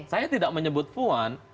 saya tidak menyebut puan